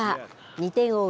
２点を追う